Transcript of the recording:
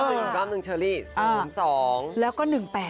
กล้ามหนึ่งเชอรี่๐๒แล้วก็๑๘